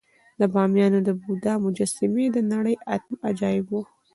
د بامیانو بودا مجسمې د نړۍ اتم عجایب وو